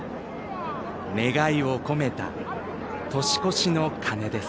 願いを込めた年越しの鐘です。